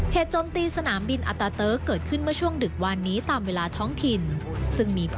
เหตุจมตีสนามบินอัตตาเตอร์กเกิดขึ้นเมื่อช่วงดึกวันนี้ตามเวลาท้องถิ่น